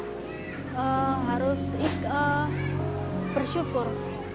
kita harus bersyukur